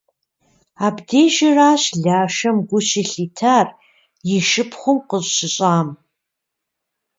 Абдежыращ Лашэм гу щылъитар и шыпхъум къыщыщӏам.